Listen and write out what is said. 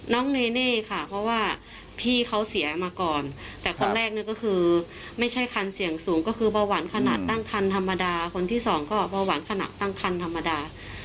เนเน่ค่ะเพราะว่าพี่เขาเสียมาก่อนแต่คนแรกเนี่ยก็คือไม่ใช่คันเสี่ยงสูงก็คือเบาหวานขนาดตั้งคันธรรมดาคนที่สองก็เบาหวานขณะตั้งคันธรรมดา